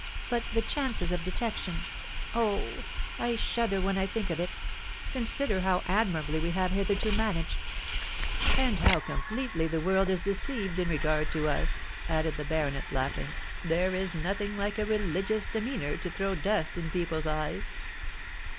"But the chances of detection—oh! I shudder when I think of it! Consider how admirably we have hitherto managed——" "And how completely the world is deceived in regard to us," added the baronet, laughing. "There is nothing like a religious demeanour to throw dust in people's eyes.